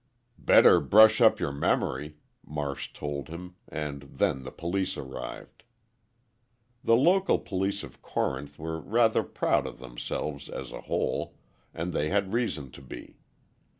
"Better brush up your memory," Marsh told him, and then the police arrived. The local police of Corinth were rather proud of themselves as a whole, and they had reason to be.